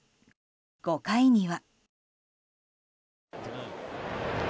５回には。